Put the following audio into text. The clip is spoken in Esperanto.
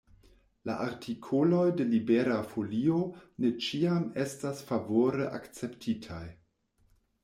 La artikoloj de Libera Folio ne ĉiam estas favore akceptitaj.